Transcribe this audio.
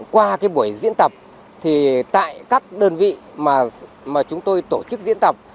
qua cái buổi diễn tập thì tại các đơn vị mà chúng tôi tổ chức diễn tập